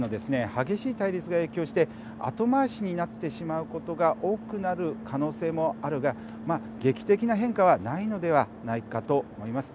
激しい対立が影響して後回しになってしまうことが多くなる可能性もあるが、劇的な変化はないのではないかと思います。